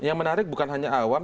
yang menarik bukan hanya awam